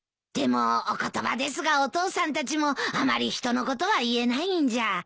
でもお言葉ですがお父さんたちもあまり人のことは言えないんじゃ。